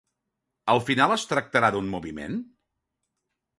Al final es tractarà d'un moviment?